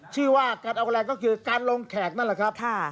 ชื่อว่าการเอาคะแนนก็คือการลงแขกนั่นแหละครับ